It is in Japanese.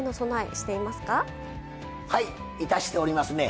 はいいたしておりますね。